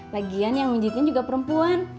lagian yang menjadikan juga perempuan